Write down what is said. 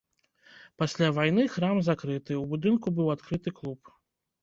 Пасля вайны храм закрыты, у будынку быў адкрыты клуб.